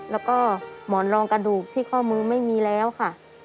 แล้วก็หมอนรองกระดูกที่ข้อมือไม่มีแล้วค่ะ